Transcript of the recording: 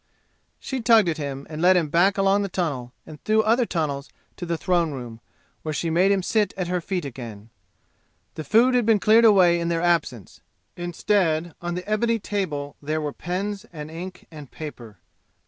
She tugged at him and led him back along the tunnel and through other tunnels to the throne room, where she made him sit at her feet again. The food had been cleared away in their absence. Instead, on the ebony table there were pens and ink and paper.